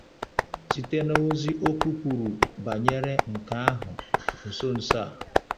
site n'ozi ọ kụpụrụ bànyere nke ahụ nso nso a.